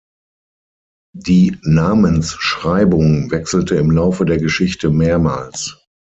Die Namensschreibung wechselte im Laufe der Geschichte mehrmals.